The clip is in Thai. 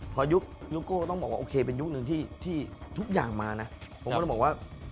พยุคก็ต้องบอกว่าโอเคเป็นยุคหนึ่งที่ทุกอย่างมานะ